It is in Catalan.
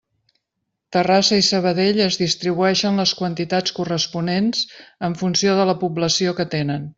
Terrassa i Sabadell es distribueixen les quantitats corresponents en funció de la població que tenen.